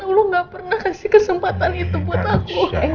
dulu gak pernah kasih kesempatan itu buat aku